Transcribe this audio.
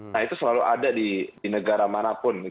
nah itu selalu ada di negara manapun